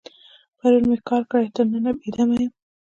پرون مې کار کړی، تر ننه بې دمه یم.